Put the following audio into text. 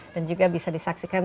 dan juga bisa disaksikan